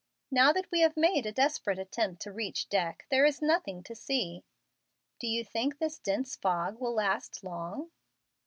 Now that we have made a desperate attempt to reach deck, there is nothing to see. Do you think this dense fog will last long?"